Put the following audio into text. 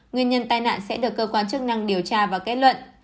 nguyên nhân tai nạn sẽ được cơ quan chức năng điều tra và kết luận